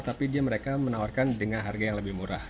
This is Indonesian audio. tapi dia mereka menawarkan dengan harga yang lebih murah